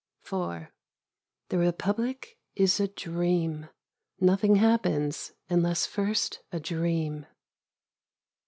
The republic is a dream. Nothing happens unless first a dream.